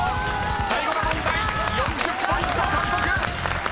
最後の問題４０ポイント獲得！］